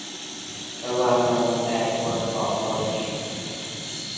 ระวังอารมณ์แปรปรวนของตัวเอง